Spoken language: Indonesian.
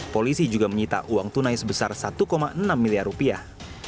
polisi juga menyita uang tunai sebesar satu enam miliar rupiah